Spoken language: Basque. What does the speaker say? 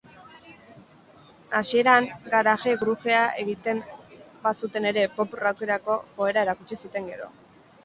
Hasieran garage-grugea egiten bazuten ere, pop-rockerako joera erakutsi zuten gero.